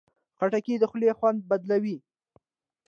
خټکی د خولې خوند بدلوي.